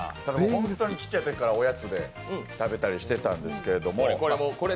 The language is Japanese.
ホントにちっちゃいときから、おやつで食べてたりしたんですけど。